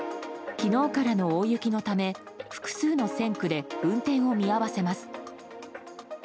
昨日からの大雪のため複数の線区で運転を見合わせます。